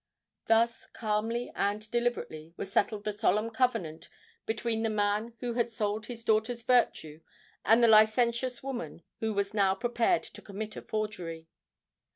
Thus, calmly and deliberately, was settled the solemn covenant between the man who had sold his daughter's virtue and the licentious woman who was now prepared to commit a forgery!